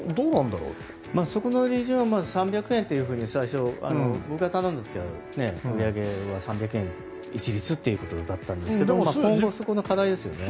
そこの利潤は３００円っていうふうに最初、僕が頼んだ時は売り上げは３００円一律だったんですけども今後はそこも課題ですよね。